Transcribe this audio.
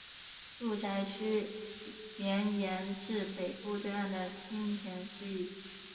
住宅区绵延至北部对岸的町田市域。